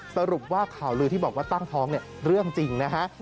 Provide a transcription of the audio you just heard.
สรุปว่าข่าวลือที่บอกว่าตั้งท้องเนี่ยเรื่องจริงนะฮะ